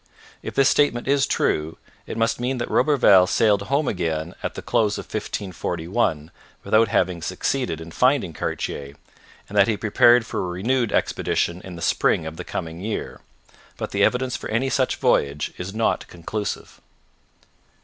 If this statement is true, it must mean that Roberval sailed home again at the close of 1541, without having succeeded in finding Cartier, and that he prepared for a renewed expedition in the spring of the coming year. But the evidence for any such voyage is not conclusive.